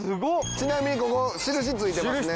ちなみにここ印ついてますね。